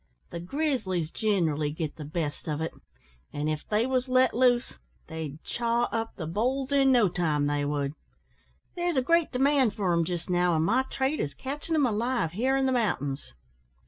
The grizzlies ginerally git the best of it; an' if they was let loose, they'd chaw up the bulls in no time, they would. There's a great demand for 'em jist now, an' my trade is catchin' 'em alive here in the mountains."